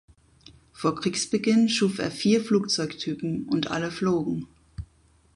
Vor Kriegsbeginn schuf er vier Flugzeugtypen und alle flogen.